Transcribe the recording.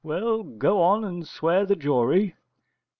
Well, go on and swear the jury.